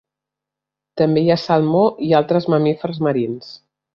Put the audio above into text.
També hi ha salmó i altres mamífers marins.